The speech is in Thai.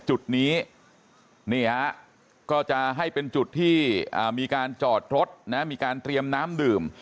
จุดนี้นี่ฮะก็จะให้เป็นจุดที่มีการจอดรถนะมีการเตรียมน้ำดื่ม